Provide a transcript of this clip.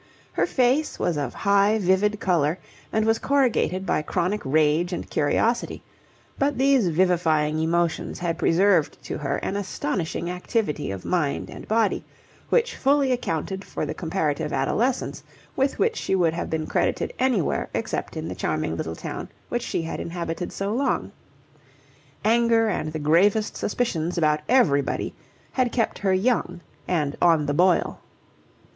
Her face was of high vivid colour and was corrugated by chronic rage and curiosity; but these vivifying emotions had preserved to her an astonishing activity of mind and body, which fully accounted for the comparative adolescence with which she would have been credited anywhere except in the charming little town which she had inhabited so long. Anger and the gravest suspicions about everybody had kept her young and on the boil.